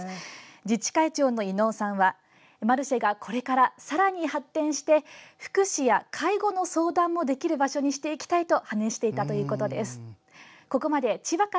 自治会長の伊能さんはマルシェがこれからさらに発展して福祉や介護の相談もできる場所にしていきたいと話していたということです。